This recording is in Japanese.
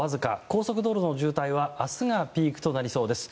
高速道路の渋滞は明日がピークとなりそうです。